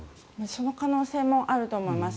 その可能性もあると思います。